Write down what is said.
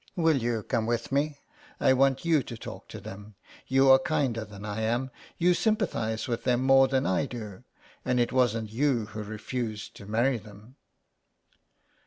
Will you come with me ? I want you to talk to them. You are kinder than I am. You sympathise with them more than I do, and it wasn't you who refused to marry them."